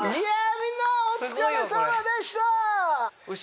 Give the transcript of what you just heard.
みんなお疲れさまでした！